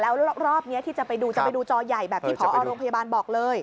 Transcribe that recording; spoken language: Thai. แล้วรอบนี้ที่จะไปดูจะไปดูจอใหญ่แบบที่พอโรงพยาบาลบอกเลย